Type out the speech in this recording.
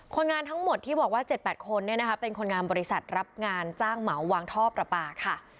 คนงานทั้งหมดที่บอกว่า๗๘คนเป็นคนงานบริษัทรับงานจ้างเหมาวางท่อประปาค่ะ